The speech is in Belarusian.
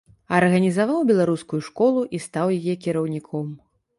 Арганізаваў беларускую школу і стаў яе кіраўніком.